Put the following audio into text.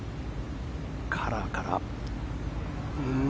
カラーから。